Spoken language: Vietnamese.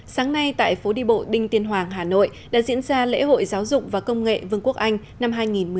sáng nay tại phố đi bộ đinh tiên hoàng hà nội đã diễn ra lễ hội giáo dục và công nghệ vương quốc anh năm hai nghìn một mươi chín